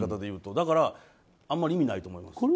だから、あまり意味ないと思います。